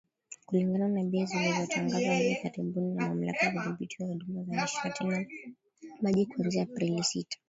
Kulingana na bei zilizotangazwa hivi karibuni na Mamlaka ya Udhibiti wa Huduma za Nishati na Maji kuanzia Aprili sita